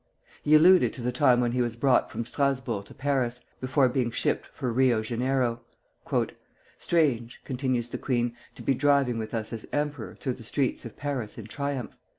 He alluded to the time when he was brought from Strasburg to Paris, before being shipped for Rio Janeiro. "Strange," continues the queen, "to be driving with us as emperor through the streets of Paris in triumph!"